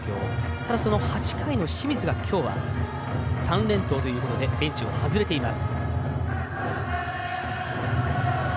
ただその８回の清水が３連投ということでベンチを外れています。